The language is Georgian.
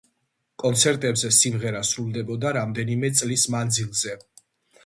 კონცერტებზე სიმღერა სრულდებოდა რამდენიმე წლის მანძილზე.